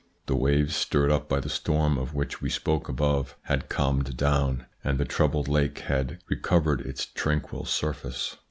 The waves stirred up by the storm of which we spoke above had calmed down, and the troubled lake had recovered its tranquil surface.